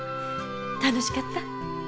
楽しかった？